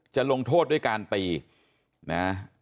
จะลงโทษด้วยการตีนะ